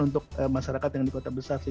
untuk masyarakat yang di kota besar sih